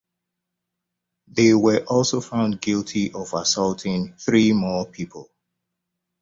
They were also found guilty of assaulting three more people.